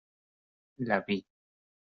la vi.